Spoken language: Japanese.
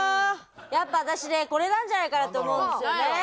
やっぱ私ねこれなんじゃないかなって思うんですよね。